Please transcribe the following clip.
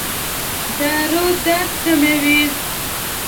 دارو درد کموي؟